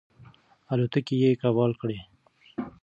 الوتکې یې کباړ کړې.